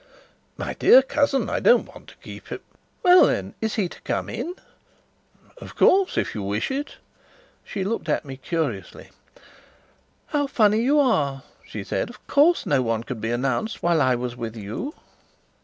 "My dear cousin, I don't want to keep him " "Well, then, is he to come in?" "Of course, if you wish it." She looked at me curiously. "How funny you are," she said. "Of course no one could be announced while I was with you."